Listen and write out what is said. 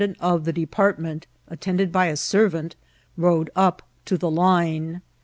75 '«nt of the department, attended by a servant, rode VBf to the line.